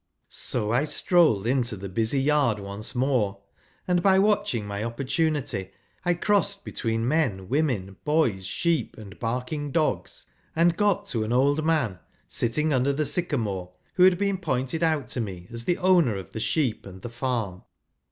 So I strolled into the busy yard once more, and by Avatching my opportunity, I crossed between men, women, boys, sheep, and barking dogs, and got to an old man, sitting under the sycamore, who had been pointed out to me as the owner of the sheep and the farm.